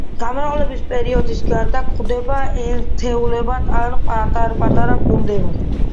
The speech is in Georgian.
გამრავლების პერიოდის გარდა გვხვდება ერთეულებად ან პატარ-პატარა გუნდებად.